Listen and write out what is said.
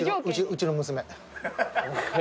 うちの娘か。